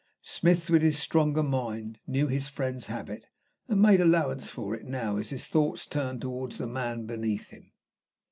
Smith, with his stronger mind, knew his friend's habit, and made allowance for it now as his thoughts turned towards the man beneath him.